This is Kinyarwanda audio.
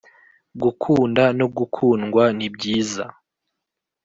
Gukunda no gukundwa ni byiza